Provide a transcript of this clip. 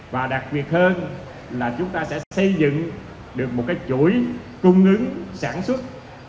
và đặc biệt hơn là chúng ta sẽ xây dựng được một cái chuỗi cung ứng sản xuất